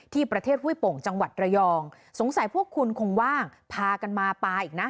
ที่ประเทศห้วยโป่งจังหวัดระยองสงสัยพวกคุณคงว่างพากันมาปลาอีกนะ